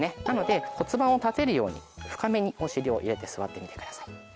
なので骨盤を立てるように深めにお尻を入れて座ってみてください。